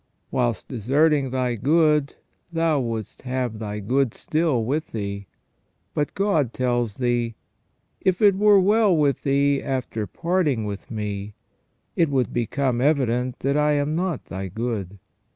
Whilst deserting thy good thou wouldst have thy good still with thee; but God tells thee: If it were well with thee after parting with Me, it would become evident that I am not thy good.